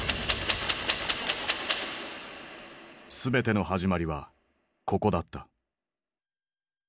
全ての始まりはここだった。